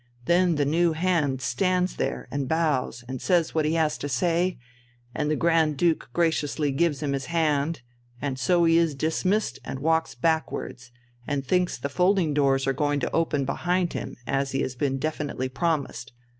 Then the new hand stands there and bows and says what he has to say, and the Grand Duke graciously gives him his hand, and so he is dismissed and walks backwards, and thinks the folding doors are going to open behind him, as he has been definitely promised.